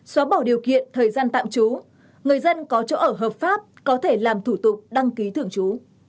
xóa bỏ điều kiện thời gian tạm trú người dân có chỗ ở hợp pháp có thể làm thủ tục đăng ký thường trú